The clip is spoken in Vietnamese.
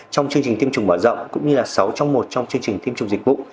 trong chương trình tiêm chủng mở rộng cũng như là sáu trong một trong chương trình tiêm chủng dịch vụ